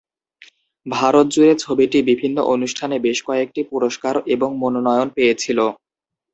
ভারত জুড়ে ছবিটি বিভিন্ন অনুষ্ঠানে বেশ কয়েকটি পুরস্কার এবং মনোনয়ন পেয়েছিল।